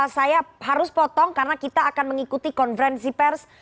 saya harus potong karena kita akan mengikuti konferensi pers